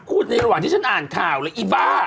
ในระหว่างที่ฉันอ่านข่าวเลยอีบ้า